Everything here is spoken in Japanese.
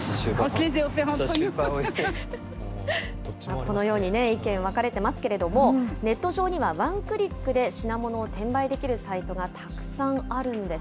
このように意見分かれてますけれども、ネット上にはワンクリックで品物を転売できるサイトがたくさんあるんです。